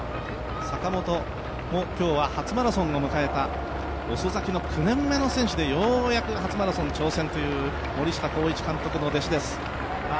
坂本も今日は初マラソンを迎えた、遅咲きの９年目の選手でようやく初マラソン挑戦という森下広一監督の弟子です。